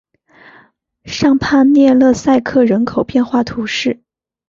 尚帕涅勒塞克人口变化图示